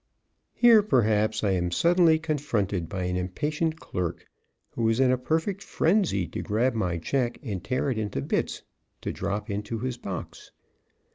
"] Here, perhaps, I am suddenly confronted by an impatient clerk who is in a perfect frenzy to grab my check and tear it into bits to drop in his box.